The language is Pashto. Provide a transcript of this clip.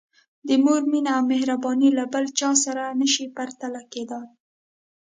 د مور مینه او مهرباني له بل چا سره نه شي پرتله کېدای.